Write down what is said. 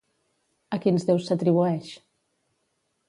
A quins déus s'atribueix?